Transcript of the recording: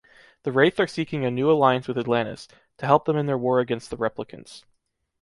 The Wraith are seeking a new alliance with Atlantis, to help them in their war against the Replicants.